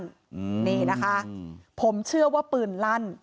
อืมนะคะผมเชื่อว่าหลั่น